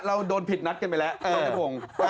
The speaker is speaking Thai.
เราโดนผิดนัดกันไปแล้วครับผม